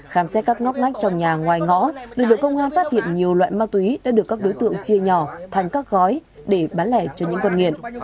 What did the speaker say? khám xét các ngóc ngách trong nhà ngoài ngõ lực lượng công an phát hiện nhiều loại ma túy đã được các đối tượng chia nhỏ thành các gói để bán lẻ cho những con nghiện